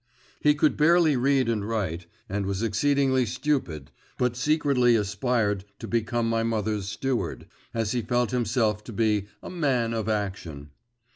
He could barely read and write, and was exceedingly stupid but secretly aspired to become my mother's steward, as he felt himself to be a 'man of action.